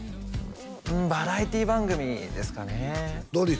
うんバラエティー番組ですかね「ドリフ」？